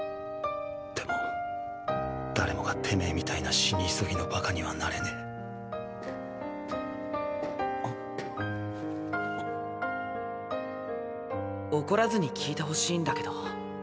でも誰もがてめぇみたいな死に急ぎのバカにはなれねぇ怒らずに聞いてほしいんだけど。